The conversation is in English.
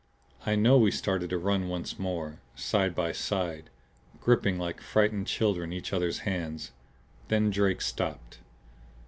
I know we started to run once more, side by side, gripping like frightened children each other's hands. Then Drake stopped.